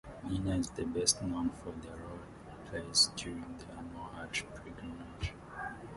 Mina is best known for the role it plays during the annual Hajj pilgrimage.